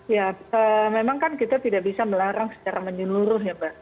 ya memang kan kita tidak bisa melarang secara menyeluruh ya mbak